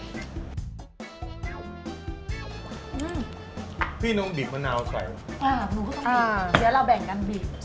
อืมพี่น้องบีบมะนาวใส่อ่าหนูก็ต้องอ่าเดี๋ยวเราแบ่งกันบีบ